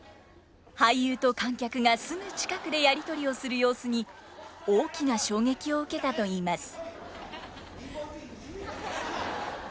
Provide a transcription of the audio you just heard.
俳優と観客がすぐ近くでやり取りをする様子に大きな衝撃を受けたといいます。